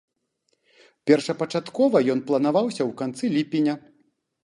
Першапачаткова ён планаваўся ў канцы ліпеня.